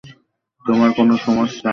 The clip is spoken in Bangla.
তোমার কোনো সমস্যা?